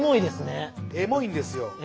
エモいんですよ。